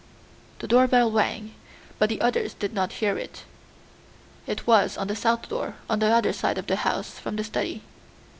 The doorbell rang, but the others did not hear it; it was on the south door on the other side of the house from the study.